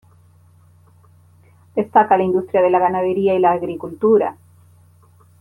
Destaca la industria de la ganadería y la agricultura.